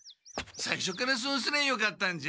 さいしょからそうすりゃよかったんじゃ。